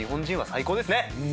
最高です！